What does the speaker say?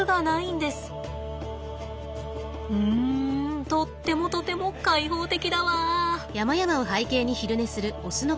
んとってもとても開放的だわ。